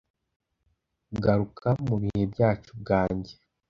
ah! garuka, mu bihe byacu bwanjye